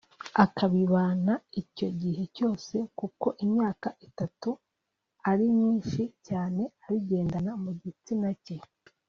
akabibana icyo gihe cyose kuko imyaka itatu ari myinshi cyane abigendana mu gitsina cye